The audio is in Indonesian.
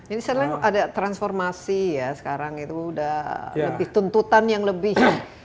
ini sekarang ada transformasi ya sekarang itu udah lebih tuntutan yang lebih